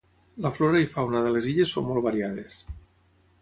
La flora i fauna de les illes són molt variades.